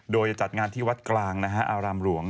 โดยจะจัดงานที่วัดกลางนะฮะอาราและหมอน